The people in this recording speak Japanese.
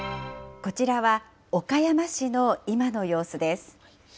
こちらは岡山市の今の様子です。